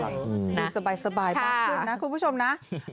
ดูสบายมากขึ้นนะคุณผู้ชมนะ